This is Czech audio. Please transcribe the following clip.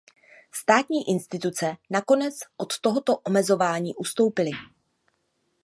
Státní instituce nakonec od tohoto omezování ustoupily.